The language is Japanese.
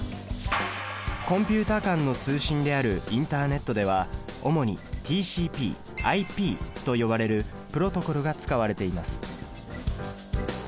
コンピュータ間の通信であるインターネットでは主にＴＣＰ／ＩＰと呼ばれるプロトコルが使われています。